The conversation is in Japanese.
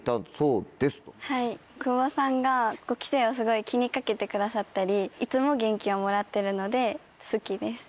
久保さんが５期生をすごい気に掛けてくださったりいつも元気をもらってるので好きです。